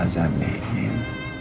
tadi saya sudah sempat azam